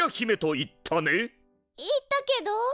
言ったけど。